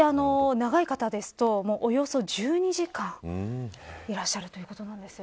長い方ですと、およそ１２時間いらっしゃるということです。